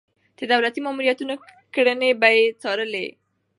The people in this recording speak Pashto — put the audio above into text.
د دولتي مامورينو کړنې به يې څارلې.